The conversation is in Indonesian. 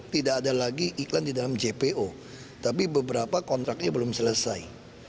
tidak ada lagi iklan di dalam jpo tapi beberapa kontraknya belum selesai